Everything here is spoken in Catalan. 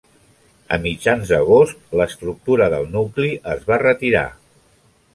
A mitjans d'agost, l'estructura del nucli es va retirar.